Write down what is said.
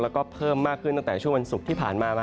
แล้วก็เพิ่มมากขึ้นตั้งแต่ช่วงวันศุกร์ที่ผ่านมา